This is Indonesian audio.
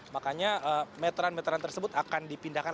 makanya meteran meteran tersebut akan dipindahkan